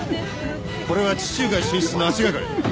これは地中海進出の足掛かり。